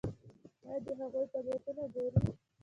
ایا د هغوی فعالیتونه ګورئ؟